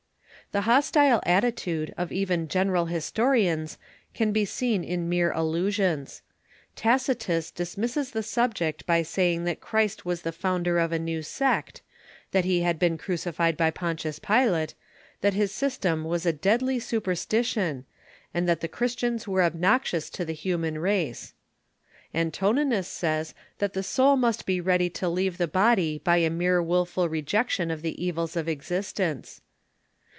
The hostile attitude of even general historians can be seen in mere allusions. Tacitus dismisses the subject by saying that Christ was the founder of a new sect, that he had been crucified by Pontius Pilate, that his system was a deadly su perstition, and that the Christians were obnoxious to the hu man race. Antoninus says that the soul must be ready to leave the body by a mere Aviiful rejection of the evils of ex istence.